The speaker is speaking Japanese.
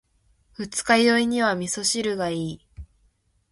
二日酔いには味噌汁がいい。